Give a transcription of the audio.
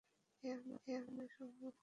এ আমার দ্বারা সম্ভবই না!